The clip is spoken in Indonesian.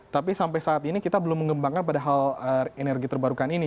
tapi sampai saat ini kita belum mengembangkan pada hal energi terbarukan ini